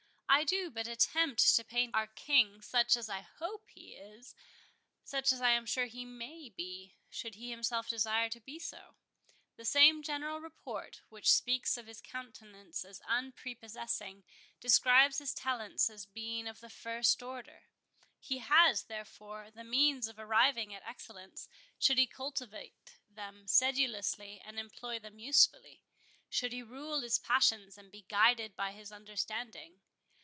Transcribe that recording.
I do but attempt to paint our King such as I hope he is—such as I am sure he may be, should he himself desire to be so. The same general report which speaks of his countenance as unprepossessing, describes his talents as being of the first order. He has, therefore, the means of arriving at excellence, should he cultivate them sedulously and employ them usefully—should he rule his passions and be guided by his understanding.